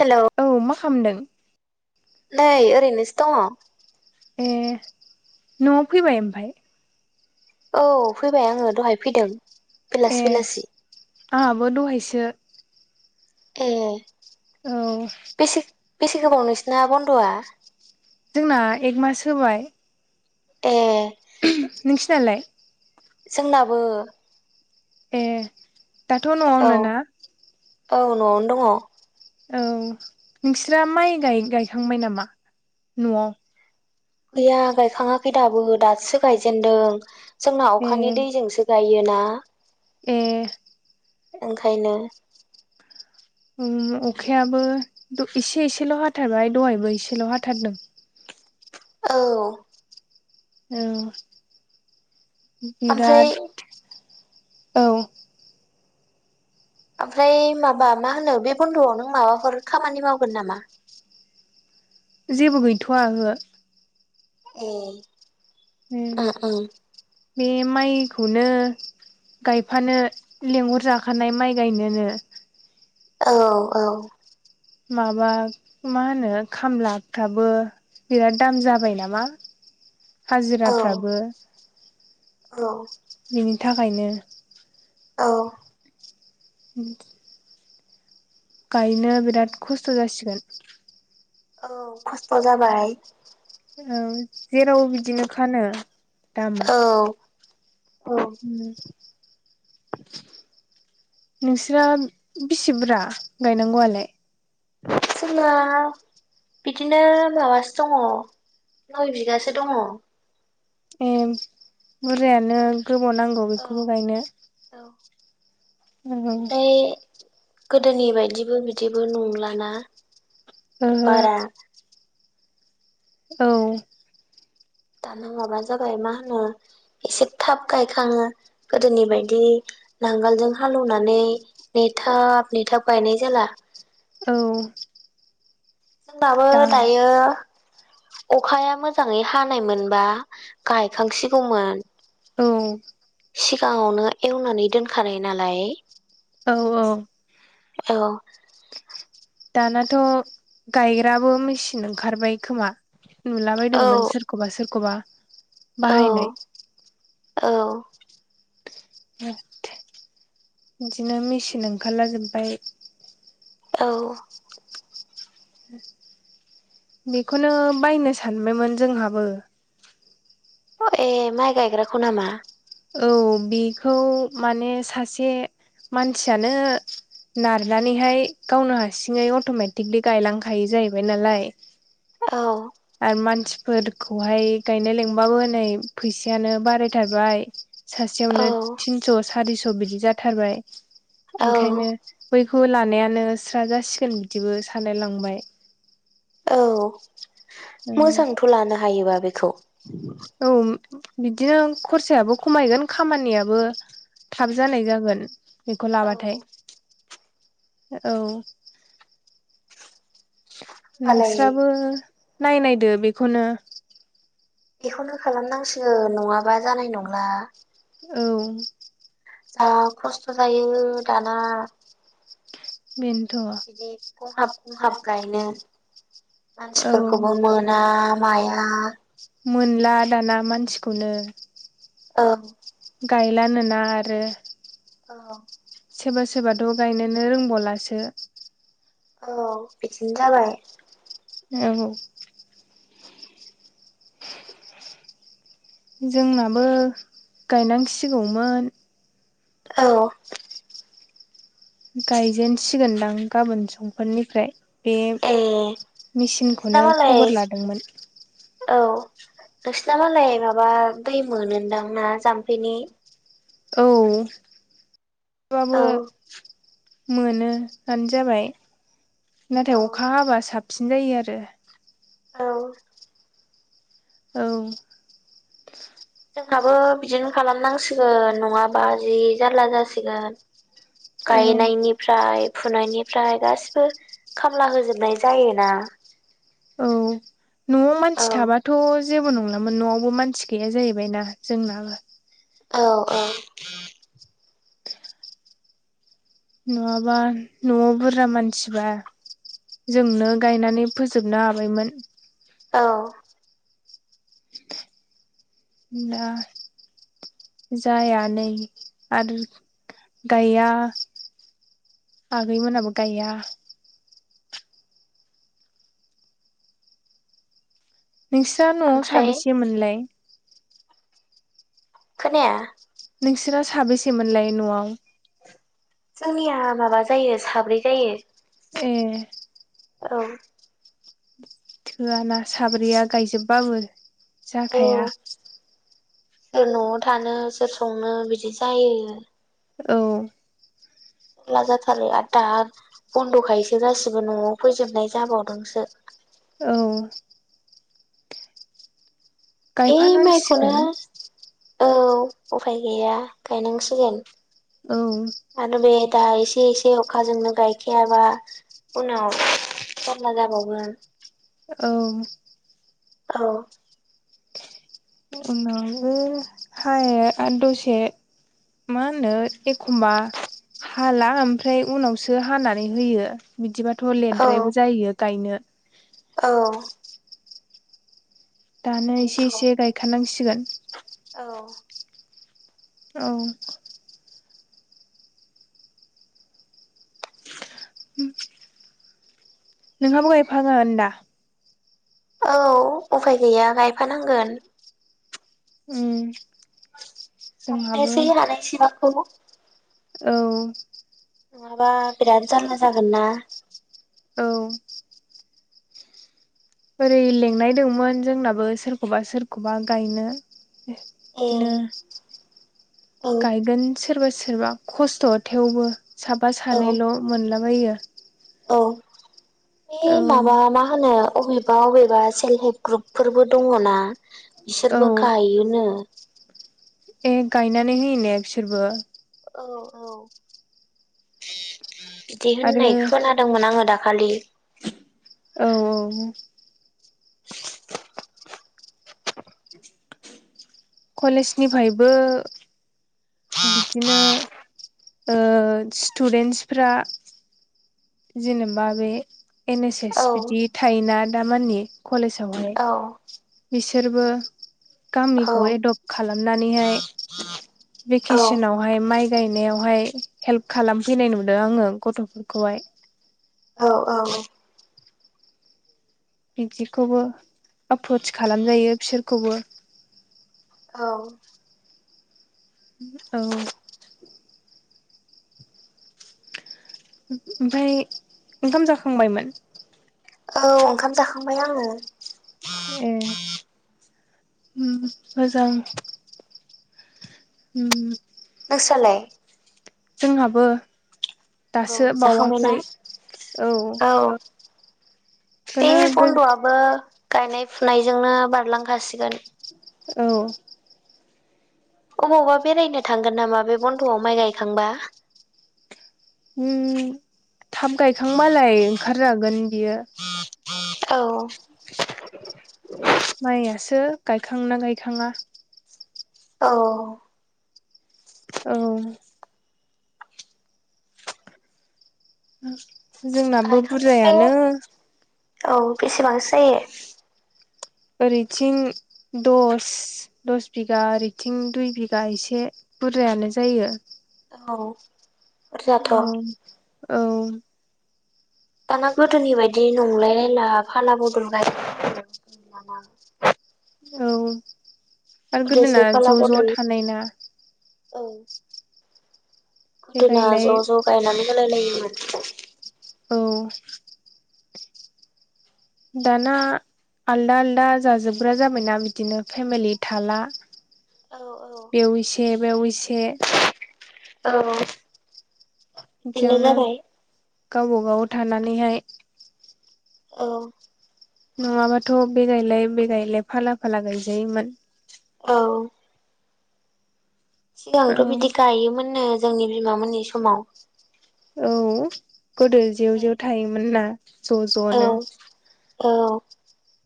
Hello औ मा खामदों? नै ओरैनोसो दङ। ए न'आव फैबाय ओमफाय? औ फैबाय आङो दहाय फैदों। ए बेलासि बिलासि आंहाबो दहायसो ए औ बेसे बेसे गोबाव नोंसोरना बन्द'आ? जोंना एक मास होबाय। ए नोंसिनालाय? जोंनाबो। ए दाथ' औ न'आवनो ना? औ न'आवनो दङ। औ नोंस्रा माइ गाय-गायखांबाय नामा न'आव? गैया गायखाङाखै दाबो दासो गायजेनदों जोंना ए अखानि दैजोंसो गायोना। ए ओंखायनो। उम अखायाबो एसे एसेल' हाथारबाय दहायबो एसेल' हाथारदों। औ औ ओमफ्राय बिराद औ। ओमफ्राय माबा मा होनो बे बन्द'आव नों माबाफोर खामानि मावगोन नामा? जेबो गैथ'आ ओहो। ए। उम बे माइखौनो गायफानो लेंहर जाखानाय माइ गायनोनो। औ औ औ माबा मा होनो खामलाफ्राबो बिराद दाम जाबाय नामा? [unintelligible] औ हाजिराफ्राबो औ बिनि थाखायनो। औ उम गायनो बिराद खस्थ' जासिगोन। औ खस्थ' जाबाय। औ जेरावबो बिदिनो खानो दामा। औ उम नोंस्रा बेसे बुरा गायनांगौ आलाय? जोंना बिदिनो माबासो दङ नय बिगासो दङ। ए बुरजायानो गोबाव नांगौ बेखौबो गायनो। औ ओमफाय गोदोनि बायदिबो बिदिबो नंलाना ओहो बारा औ दाना माबा जाबाय मा होनो एसे थाब गायखाङो गोदोनि बायदि नांगोलजों हालेवनानै नेथाब नेथाब गायनाय जाला औ होनबाबो दा दायो अखाया मोजाङै हानाय मोनबा गायखांसिगौमोन औ सिगाङावनो एवनानै दोनखानाय नालाय औ औ औ दानाथ' गायग्राबो मेचिन ओंखारबाय खोमा नुलाबायदोंमोन औ सोर सोरखौबा सोरखौबा औ बाहायनाय औ बिदिनो मेचिन ओंखारला जोबबाय औ बेखौनो बायनो सानबायमोन जोंहाबो। अ ए माइ गायग्राखौ नामा। औ बेखौ माने सासे मानसियानो। नारनानैहाय गावनो हारसिङै अट'मेटिकलि गायलांखायो जाहैबाय नालाय। औ आरो मानसिफोरखौहाय गायनाय लिंबाबो नै फैसायानो बारायथारबाय औ सासेयावनो थिनस' सारिस' बिदि जाथारबाय औ ओंखायनो बैखौ लानायानो स्रा जासिगोन बिदिबो सानलायलांबाय औ मोजांथ' लानो हायोबा बेखौ औ बिदिनो खरसायाबो खमायगोन खामानियाबो थाब जानाय जागोन बेखौ औ लाबाथाय होमबालाय औ नोंस्राबो नायनायदो बेखौनो बेखौनो खालामनांसिग नङाबा जानाय नंला। औ जा खस्थ' जायो दाना। बेनोथ' बिदि गंहाब गंहाब गायनो औ मानसिफोरखौबो मोन ना माइाया मोनला दाना मानसिखौनो औ गायलानोना आरो अ सोरबा सोरबाथ' गायनोनो रोंबावलासो। औ बिदिनो जाबाय औ जोंनाबो गायनांसिगौमोन औ गायजेन सिगोनदां गाबोन समफोरनिफ्राय बे ए नोंसिना मेसिनखौनो मालाय खबर लादोंमोन औ नोंसिना मालाय माबा दै मोनोनदां ना जाम्फैनि औ औ थेवबाबो मोनो [unintelligible] जाबाय नाथाय औ अखा हाबा साब सिन जायो आरो औ औ जोंहाबो बिदिनो खालामनांसिगोन नङाबा जि जारला जासिगोन औ गायनायनि फ्राय फुनायनिफ्राय गासिबो खामला होजोबनाय जायोना औ न'आव औ मानसि थाबा थ' जेबो नंलामोन न'आवबो मानसि गैया जाहैबायना जोंनाबो औ-औ नङाबा न'आव बुरजा मानसिबा जोंनो गायनानै फोजोबनो हाबायमोन औ दा जाया नै आरो गाया आगैमोनहाबो गाया नोंसिना न'आव ओमफ्राय साबोसेमोनलाय खोनाया नोंसोरा साबेसेमोनलाय न'आव जोंनिया माबा जायो साब्रै जायो ए औ थोआ ना साब्रैया गायजोबबाबो औ जाखाया सोर न'आव थानो सोर संनो बिदि जायो औ लाजा थारला दा बन्द'खायसो गासिबो न'आव फैजोबनाय जाबावदोंसो औ एइ माइखौनो गायफानांसिगोन औ उफाय गैया गायनांसिगोन औ आरो बे दा एसे एसे अखाजोंनो गायखायाबा उनाव जारला जाबावगोन औ औ उनावबो हाया आरो दसे मा होनो एखमबा हाला ओमफ्राय उनावसो हानानै होयो बिदिबाथ' औ लेद्रायबो जायो गायनो औ दानो एसे बेनोथ' एसे गायखनांसिगोन औ औ नोंहाबो गायफाखागोन दा औ उफाय गैया गायफानांगोन। उम जोंहाबो गायनोसै हानाय सिबांखौ औ नङाबा बिराद जारला जागोन ना औ ओरै लेंनाय दंमोन जोंनाबो सोरखौबा सोरखौबा गायनो। ए बिदिनो औ गायगोन सोरबा सोरबा खस्त' थेवबो। साफा औ सानैल' मोनलाबायो। औ बे औ माबा मा होनो अबे अबेबा अबेबा सेल्फ हेल्प ग्रुप फोरबो दङोना औ बिसोरबो गायोनो ए गायनानै होयो ने बिसोरबो औ औ बिदि आरो होननाय खोना दोंमोन आङो दाखालि औ औ उम कलेज निफ्रायबो बिदिनो ओ स्टुदेन्टसफ्रा जेनेबा बे एन एस एस औ बिदि थायोना दामानि कलेजावहाय औ बिसोरबो गामिखौ एडप्ट खालामनानैहाय औ भेकेसनावहाय माइ गायनायावहाय हेल्प खालामफैनाय नुदों आङो गथ'फोरखौहाय। औ औ बिदिखौबो आप्रस खालामजायो बिसोरखौबो। औ औ ओमफ्राय ओंखाम जाखांबायमोन? औ ओंखाम जाखांबाय आङो। ए उम मोजां। उम नोंसालाय? जोंहाबो औ दासो जाखांबायना बावाखै औ। बे बेखौनो गो बन्द'आबो गायनाय फुनायजोंनो बारलांखासिगोन। औ अबावबा बेरायनो थांगोन नामा बे बन्द'आव माइ गायखांबा? उम थाब गायखांबालाय ओंखारजागोन बियो औ माइआसो गायखाङोना गायखाङा औ औ उम गायखांगोन बे औ बेसेबांसो जायो? ओरैथिं दस दस बिगा ओरैथिं दुइ बिगा एसे बुरजायानो जायो। औ बुरजाथ' औ औ दाना गोदोनि बायदि नंलाय रायला फाला बदल गाइ [unintelligible] औ आरो गोदोना गोदोसो फाला ज' ज' बदल थानाय ना औ गोदोना जायगायलाय ज' ज' गायनानै होलाय लायोमोन। औ दाना आलदा आलदा जाजोबग्रा जाबायना बिदिनो फेमिलि थाला औ औ बेव इसे बैयाव एसे औ-औ बिदियावनो गावबागाव थानानैहाय औ नङाबाथ' बेगायलाय बेगायलाय फाला फाला गायजायोमोन। औ औ सिगांथ' बिदि गायोमोननो जोंनि बिमामोननि समाव औ-औ गोदो जेव दिनै जेव थायोमोन ना ज' औ ज'नो औ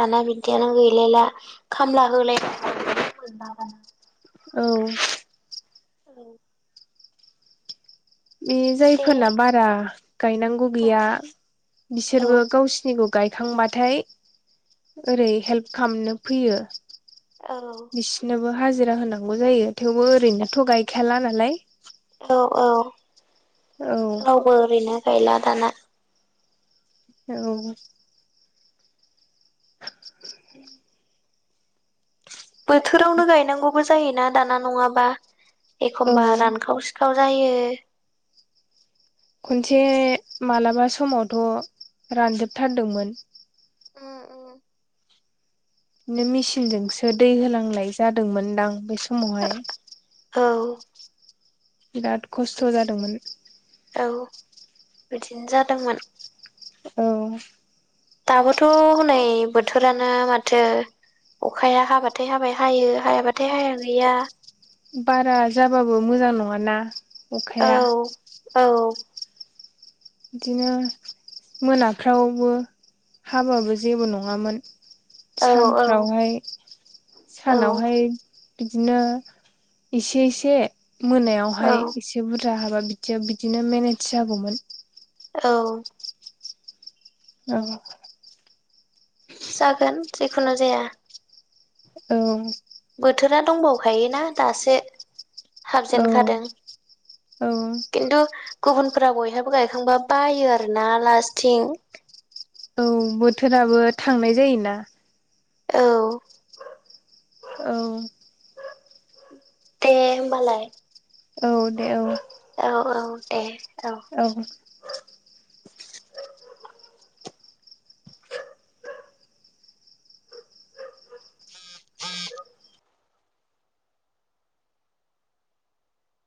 दाना बिदियानो गैलायला खामला होलाय [unintelligible] औ औ बि दे जायफोरना बारा गायनांगौ गैया औ बिसोरबो गावसोरनिखौ गायखांबाथाय ओरै हेल्प खालामनो फैयो। औ बिसिनोबो हाजिरा होनांगौ जायो थेवबो ओरैनोथ' गायखायाला नालाय औ औ औ रावबो ओरैनो गैला दाना औ [inaudible] बोथोरावनो गायनांगौबो जायोना दाना नङाबा औ एखमबा रानखाव सिखाव सिखाव जायो। खनसे मालाबा समावथ' रानजोबथारदोंमोन। उम उम नो मेसिनजोंसो दै होनांनाय जादोंमोन दां बे समावहाय औ बिराद खस्थ' जादोंमोन बिदिनो औ बिदिनो जादोंमोन औ दाबोथ' हनै बोथोरानो माथो अखाया हाबाथाय हाबाय हायो हायाबाथाय हाया गैया बारा जाबाबो मोजां नङाना अखाया औ-औ बिदिनो मोनाफ्रावबो हाबाबो जेबो नङामोन। औ औ सानफ्रावहाय औ सानावहाय बिदिनो एसे एसे मोनायाव औ हाय इसे बुरजा हाबा बिदियाव बिदिनो मेनेज जागौमोन। औ। ओं। जागोन जेखुनु जाया। औ। बोथोरा दंबावखायोना दासो औ हाबजेनखादों औ खिन्थु गुबुनफोरा बयहाबो गायखांबा बायो आरोना लास्थिं औ बोथोराबो थांनाय जायोना। औ। औ। दे होनबालाय। औ दे औ। औ औ दे। औ। [inaudible]